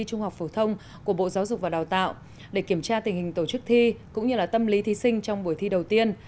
trung học phổ thông của bộ giáo dục và đào tạo để kiểm tra tình hình tổ chức thi cũng như tâm lý thí sinh trong buổi thi đầu tiên